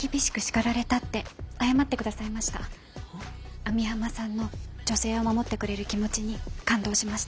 網浜さんの女性を守ってくれる気持ちに感動しました。